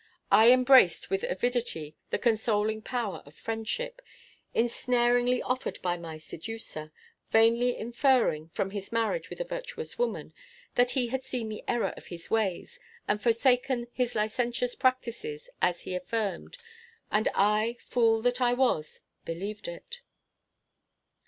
I embraced with avidity the consoling power of friendship, insnaringly offered by my seducer; vainly inferring, from his marriage with a virtuous woman, that he had seen the error of his ways, and forsaken his licentious practices, as he affirmed, and I, fool that I was, believed it.